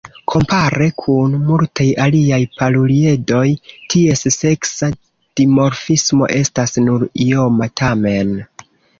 Kompare kun multaj aliaj paruliedoj, ties seksa dimorfismo estas nur ioma tamen.